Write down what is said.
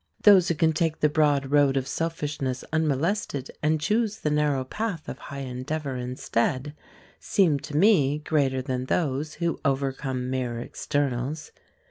Those who can take the broad road of selfishness unmolested, and choose the narrow path of high endeavour instead, seem to me greater than those who overcome mere externals.